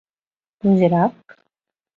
Кузерак